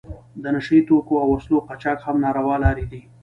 د نشه یي توکو او وسلو قاچاق هم ناروا لارې دي.